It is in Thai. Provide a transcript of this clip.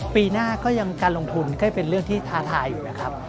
ปีหน้าก็ยังการลงทุนก็เป็นเรื่องที่ท้าทายอยู่นะครับ